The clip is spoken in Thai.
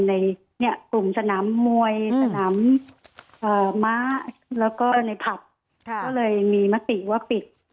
ในเนี้ยตรงสนามมวยสนามเอ่อมาแล้วก็ในพลับค่ะก็เลยมีมัติว่าปิด